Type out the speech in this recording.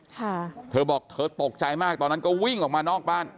เธอบอกเธอตกใจมากตอนนั้นก็วิ่งออกมานอกบ้าน